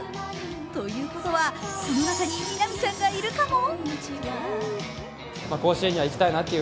ということは、この中に南ちゃんがいるかも？